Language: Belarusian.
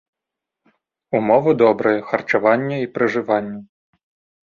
Умовы добрыя, харчаванне і пражыванне.